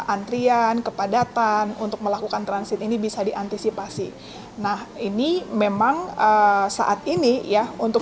antrian kepadatan untuk melakukan transit ini bisa diantisipasi nah ini memang saat ini ya untuk